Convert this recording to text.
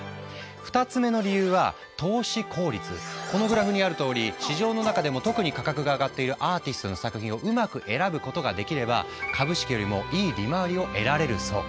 ２つ目の理由はこのグラフにあるとおり市場の中でも特に価格が上がっているアーティストの作品をうまく選ぶことができれば株式よりもいい利回りを得られるそう。